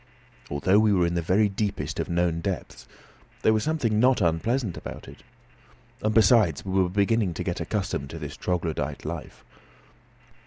Although we were in the very deepest of known depths, there was something not unpleasant about it. And, besides, we were beginning to get accustomed to this troglodyte life.